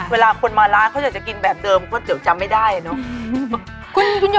เวลาคนมาร้านเขาอยากจะกินแบบเดิมก๋วเตี๋ยจำไม่ได้เนอะ